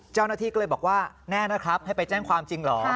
เจ้าหน้าที่ก็เลยบอกว่าแน่นะครับให้ไปแจ้งความจริงเหรอ